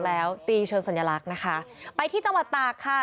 แล้วตีเชิงสัญลักษณ์นะคะไปที่จังหวัดตากค่ะ